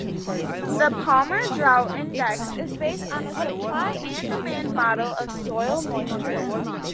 The Palmer Drought Index is based on a supply-and-demand model of soil moisture.